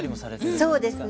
そうですね。